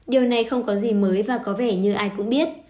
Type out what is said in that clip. điều này không có gì mới và có vẻ như ai cũng biết